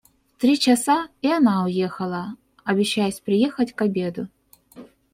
В три часа и она уехала, обещаясь приехать к обеду.